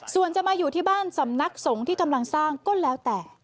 ส่วนจะมาอยู่ที่บ้านสำนักสงฆ์ที่กำลังสร้างก็แล้วแต่